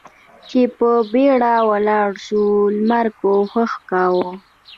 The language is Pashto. چې په بېړه ولاړ شو، لمر کوښښ کاوه.